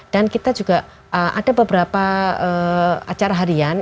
dan kita juga ada beberapa acara harian